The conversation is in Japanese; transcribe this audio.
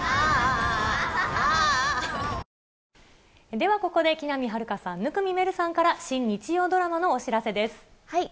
では、ここで木南晴夏さん、生見愛瑠さんから新日曜ドラマのお知らせです。